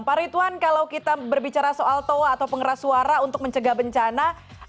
pak ridwan kalau kita berbicara soal toa atau pengeras suara untuk mencegah bencana